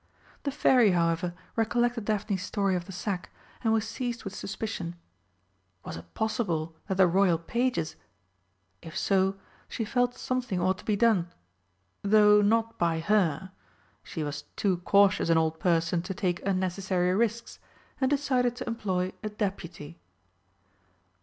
The Fairy, however, recollected Daphne's story of the sack, and was seized with suspicion. Was it possible that the royal pages ? If so, she felt something ought to be done though not by her. She was too cautious an old person to take unnecessary risks, and decided to employ a deputy.